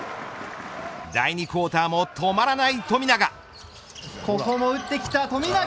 第２クオーターも止まらない富永。